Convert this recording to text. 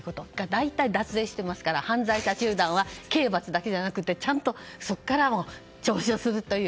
大体脱税していますから犯罪者集団は刑罰だけでなくちゃんとそこからも徴収するという。